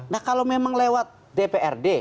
nah kalau memang lewat dprd